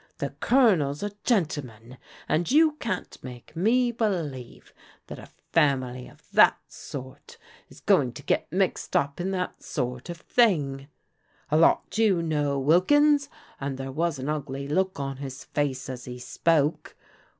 * The Colonel's a gentle man, and you can't make me believe that a family of that sort is going to get mixed up in that sort of thing.' "' A lot you know, Wilkins,' and there was an ugly look on his face as he spoke.